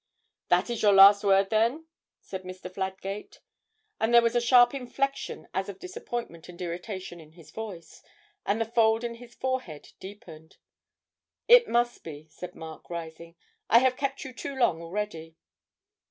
'That is your last word, then?' said Mr. Fladgate, and there was a sharp inflection as of disappointment and irritation in his voice, and the fold in his forehead deepened. 'It must be,' said Mark, rising, 'I have kept you too long already.'